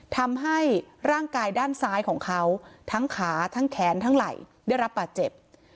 ทำให้ร่างกายด้านซ้ายของเขาทั้งขาทั้งแขนทั้งไหล่ได้รับบาดเจ็บ